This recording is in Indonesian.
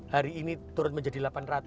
hari ini turun menjadi delapan ratus